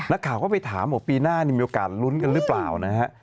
นักข่าวก็ไปถามบอกปีหน้านี่มีโอกาสลุ้นกันหรือเปล่านะฮะ